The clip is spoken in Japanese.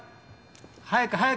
早く早く！